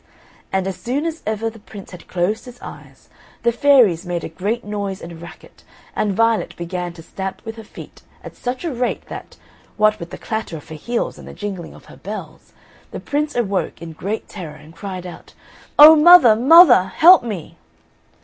And as soon as ever the Prince had closed his eyes the fairies made a great noise and racket, and Violet began to stamp with her feet at such a rate that, what with the clatter of her heels and the jingling of her bells, the Prince awoke in great terror and cried out, "Oh, mother, mother, help me!"